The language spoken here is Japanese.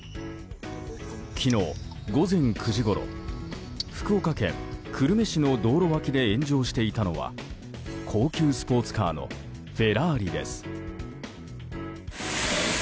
昨日、午前９時ごろ福岡県久留米市の道路脇で炎上していたのは高級スポーツカーのフェラーリです。